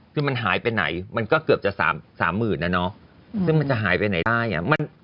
คือมันหายไปไหนมันก็เกือบจะสามหมื่นนะเนาะซึ่งมันจะหายไปไหนได้อ่ะ